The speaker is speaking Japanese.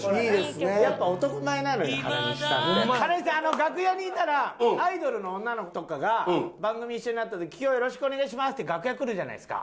楽屋にいたらアイドルの女の子とかが番組一緒になった時今日よろしくお願いしますって楽屋来るじゃないですか。